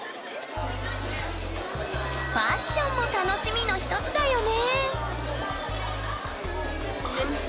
ファッションも楽しみの一つだよね！